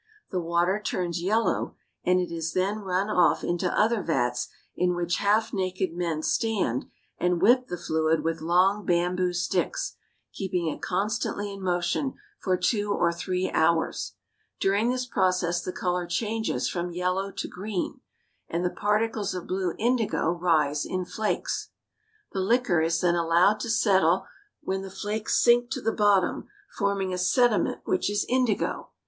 The water turns yellow, and it is then run off into other vats in which half naked men stand and whip the fluid with long bamboo sticks, keeping it constantly in motion for two or three hours. ^ During this process the color changes from yellow to green, and the particles of blue indigo rise in flakes. AMONG THE INDIAN FARMERS 265 The liquor is then allowed to settle, when the flakes sink to the bottom, forming a sediment which is indigo.